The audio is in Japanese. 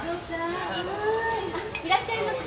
いらっしゃいませ。